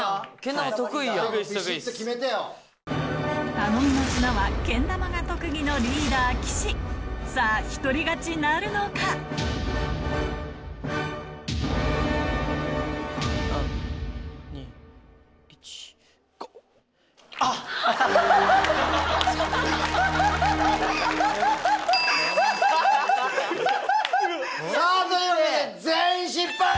頼みの綱はけん玉が特技のリーダー岸さぁ独り勝ちなるのか⁉３・２・１。というわけで。